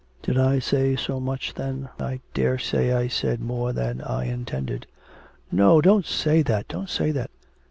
'Did I say so much, then? I daresay I said more than I intended.' 'No, don't say that, don't say that.'